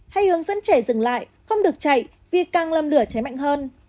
hay hướng dẫn trẻ dừng lại không được chạy vì càng lầm lửa cháy mạnh hơn